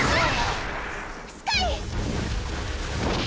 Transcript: スカイ！